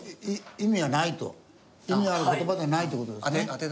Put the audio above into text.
意味がある言葉ではないって事ですね。